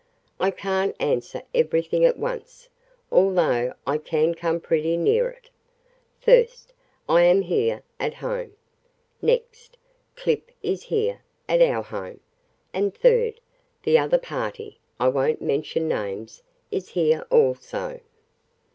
"I can't answer everything at once, although I can come pretty near it. First, I am here at home. Next, Clip is here at our home, and third, the other party I won't mention names is here also."